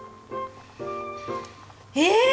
えっ